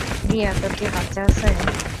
রিয়া, তোর কি বাচ্চা আছে?